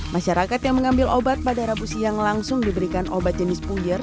masyarakat yang mengambil obat pada rabu siang langsung diberikan obat jenis punggir